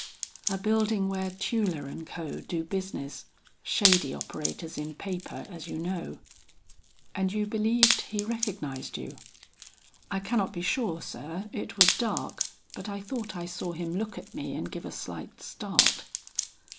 "A building where Tueller and Co. do business, shady operators in paper, as you know." "And you believed he recognized you?" "I cannot be sure, sir. It was dark, but I thought I saw him look at me and give a slight start."